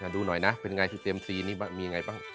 ดูหน่อยนะเป็นยังไงบ้าง